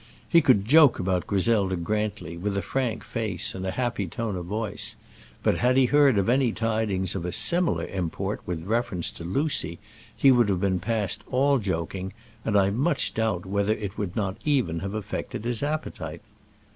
He could joke about Griselda Grantly with a frank face and a happy tone of voice; but had he heard of any tidings of a similar import with reference to Lucy, he would have been past all joking, and I much doubt whether it would not even have affected his appetite.